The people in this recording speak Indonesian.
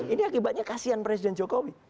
ini akibatnya kasian presiden jokowi